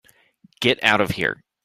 Get out of here.